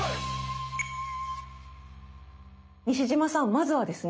まずはですね